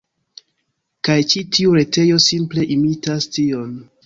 Kaj ĉi tiu retejo, simple imitas tion.